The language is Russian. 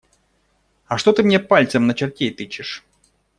А что ты мне пальцем на чертей тычешь?